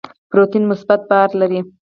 پروتون مثبت بار لري.